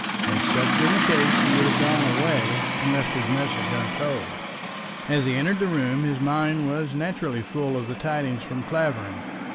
Had such been the case he would have gone away, and left his message untold. As he entered the room his mind was naturally full of the tidings from Clavering.